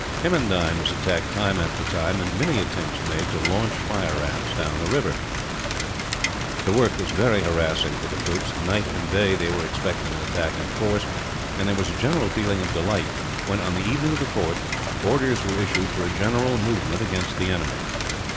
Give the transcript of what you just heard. Kemmendine was attacked time after time, and many attempts made to launch fire rafts down the river. The work was very harassing for the troops. Night and day they were expecting an attack in force; and there was a general feeling of delight when, on the evening of the 4th, orders were issued for a general movement against the enemy.